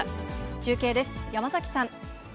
中継です、山崎さん。